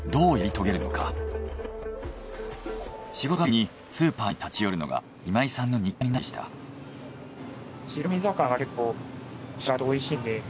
仕事帰りにスーパーに立ち寄るのが今井さんの日課になっていました。